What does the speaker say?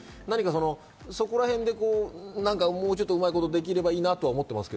そこらへんでもうちょっとうまいことできればいいんじゃないかと思いますが。